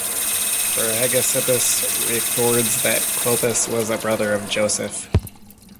For Hegesippus records that Clopas was a brother of Joseph.